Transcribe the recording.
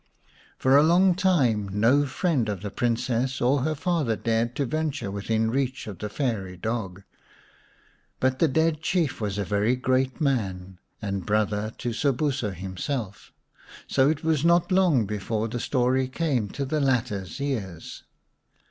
For a long time no friend of the Princess or her father dared to venture within reach of the fairy dog. But the dead Chief was a very great man, and brother to Sobuso himself, so it was not long before the story came to the latter's ears.